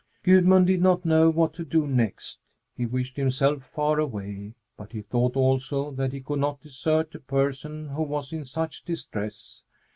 Gudmund did not know what to do next. He wished himself far away, but he thought, also, that he could not desert a person who was in such distress.